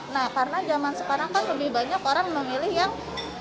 nah karena zaman sekarang kan lebih banyak orang memilih yang